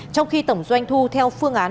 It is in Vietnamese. trong khi tổng doanh thu theo phương án